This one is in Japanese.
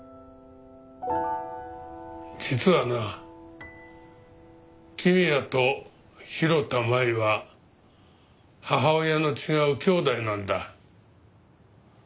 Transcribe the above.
実はな公也と広田舞は母親の違う兄妹なんだ。